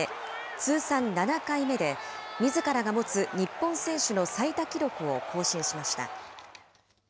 通算７回目で、みずからが持つ日本選手の最多記録を更新しました。